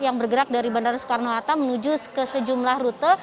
yang bergerak dari bandara soekarno hatta menuju ke sejumlah rute